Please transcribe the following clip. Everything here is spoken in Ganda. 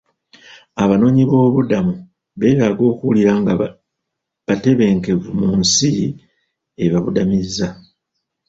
Abanoonyiboobubudamu beetaaga okuwulira nga batebenkevu mu nsi ebabudamizza.